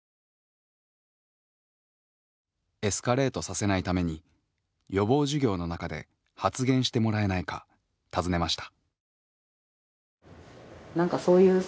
エスカレートさせないために予防授業の中で発言してもらえないか尋ねました。